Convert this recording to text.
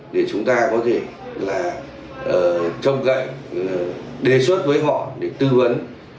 để chúng ta có thể trong cạnh đề xuất với họ để tư vấn